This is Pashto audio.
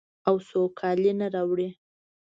او سوکالي نه راوړي.